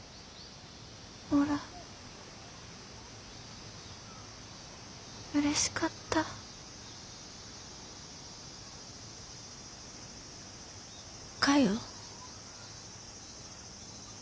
おらうれしかった。かよ？